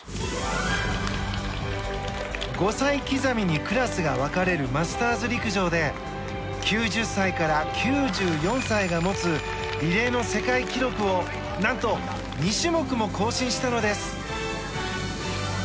５歳刻みにクラスが分かれるマスターズ陸上で９０歳から９４歳が持つリレーの世界記録を何と２種目も更新したのです。